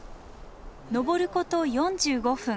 登ること４５分